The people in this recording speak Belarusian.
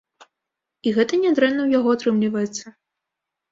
І гэта нядрэнна ў яго атрымліваецца.